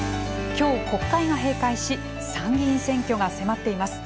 きょう国会が閉会し衆議院選挙が迫っています。